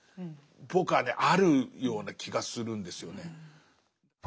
僕はねあるような気がするんですよね。